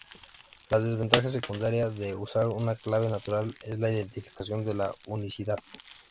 La desventaja secundaria de usar una clave natural es la identificación de la unicidad.